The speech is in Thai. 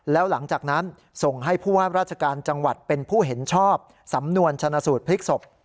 แล้วหลังจากนั้นส่งให้ผู้ว่าราชการจังหวัดเป็นผู้เห็นชอบสำนวนชนะสูตรพลิกศพ